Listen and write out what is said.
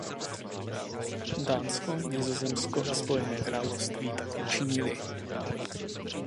Dánsko, Nizozemsko a Spojené království tak učinily.